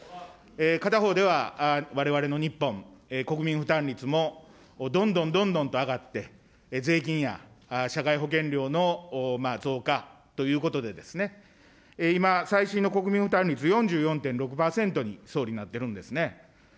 片方では、われわれの日本、国民負担率もどんどんどんどんと上がって、税金や社会保険料の増加ということで、今、最新の国民負担率４４．６％に、総理、なってるんですね。